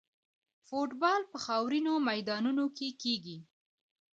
فوټبال په خاورینو میدانونو کې کیږي.